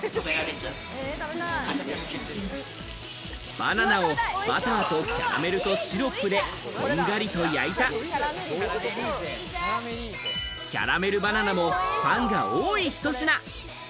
バナナをバターとキャラメルシロップで、こんがりと焼いたキャラメルバナナもファンが多いひと品。